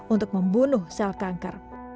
untuk membunuh sel kanker